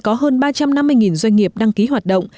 có hơn ba trăm năm mươi doanh nghiệp đăng ký hoạt động